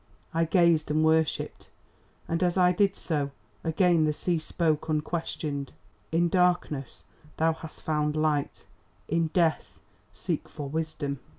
I gazed and worshipped, and as I did so, again the sea spoke unquestioned: "'In darkness thou hast found light, in Death seek for wisdom.